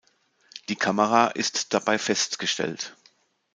Die Kamera ist dabei fest gestellt.